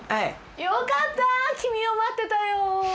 よかった君を待ってたよ。